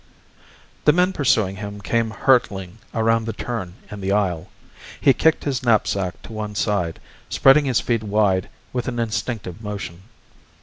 The men pursuing him came hurtling around the turn in the aisle. He kicked his knapsack to one side, spreading his feet wide with an instinctive motion.